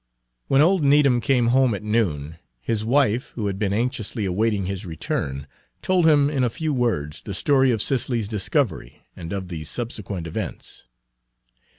When old Needham came home at noon, his wife, who had been anxiously awaiting his return, told him in a few words the story of Cicely's discovery and of the subsequent events.